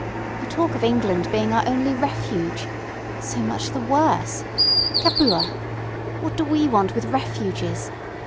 You talk of England being our only refuge! So much the worse. Capua! What do we want with refuges?